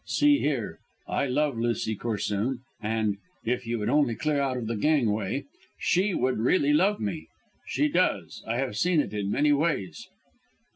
See here, I love Lucy Corsoon, and, if you would only clear out of the gangway, she would really love me. She does I have seen it in many ways."